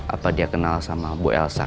apa dia kenal sama bu elsa